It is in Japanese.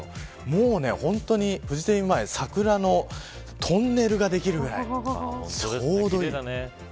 もう、フジテレビ前桜のトンネルができるぐらいちょうどいい。